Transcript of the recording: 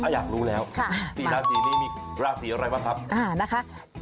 อยากรู้แล้ว๔ราศีนี้มีราศีอะไรบ้างครับนะคะ